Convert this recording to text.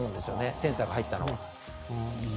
センサーが入ったのは。